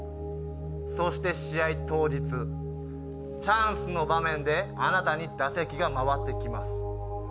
そして試合当日、チャンスの場面であなたに打席が回ってきます。